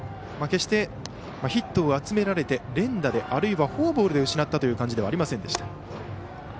決してヒットを集められて連打でそしてフォアボールで失ったという感じではありませんでした。